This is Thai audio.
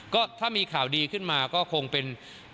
ก็ถ้ามีข่าวดีขึ้นมาก็คงเป็น